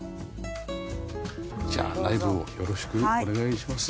じゃあ内部をよろしくお願いします。